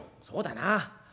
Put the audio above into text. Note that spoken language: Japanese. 「そうだな。